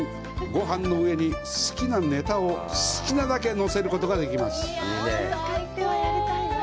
ごはんの上に好きなネタを好きなだけ載せることができます。